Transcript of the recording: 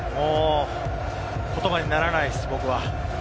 言葉にならないです、僕は。